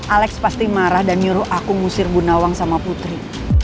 alex pasti marah dan nyuruh aku ngusir gunawang sama putri